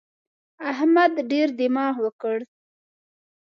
احمد ډېر دماغ وکړ.